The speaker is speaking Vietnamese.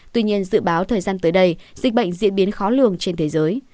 tuy nhiên dự báo thời gian tới đây dịch bệnh diễn biến khó lường trên thế giới